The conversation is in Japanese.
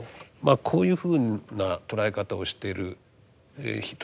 こういうふうな捉え方をしている人が多い。